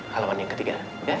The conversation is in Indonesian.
halaman yang ketiga